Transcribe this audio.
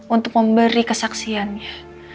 untuk memberi kesaksiannya